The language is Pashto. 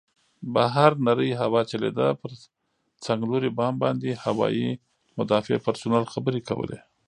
بهر نرۍ هوا چلېده، پر څنګلوري بام باندې هوايي مدافع پرسونل خبرې کولې.